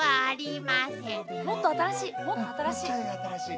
もっと新しい。